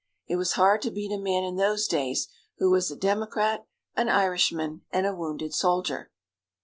It was hard to beat a man in those days who was a Democrat, an Irishman and a wounded soldier.